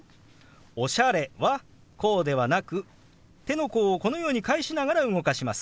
「おしゃれ」はこうではなく手の甲をこのように返しながら動かします。